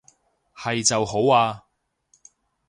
係就好啊